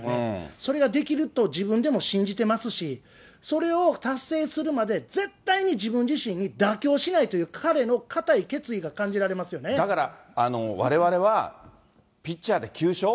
それができると自分でも信じてますし、それを達成するまで絶対に自分自身に妥協しないという、だから、われわれはピッチャーで９勝？